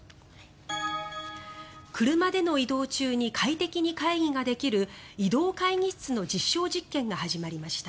車での移動中に快適に会議ができる移動会議室の実証実験が始まりました。